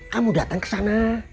kamu datang ke sana